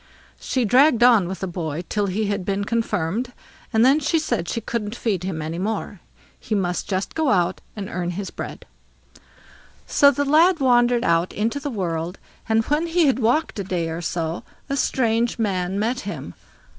She dragged on with the boy till he had been confirmed, and then she said she couldn't feed him any longer, he must just go out and earn his own bread. So the lad wandered out into the world, and when he had walked a day or so, a strange man met him.